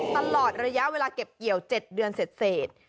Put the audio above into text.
ตลอดระยะเวลาเก็บเกี่ยว๗เดือนเสร็จ